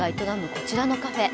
こちらのカフェ。